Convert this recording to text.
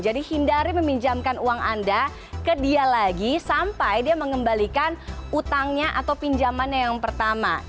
jadi hindari meminjamkan uang anda ke dia lagi sampai dia mengembalikan hutangnya atau pinjamannya yang pertama